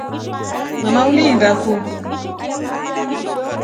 Mama ulinda ku.